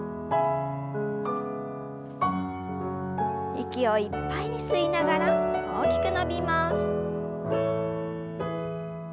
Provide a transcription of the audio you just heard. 息をいっぱいに吸いながら大きく伸びます。